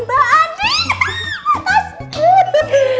ah tas gitu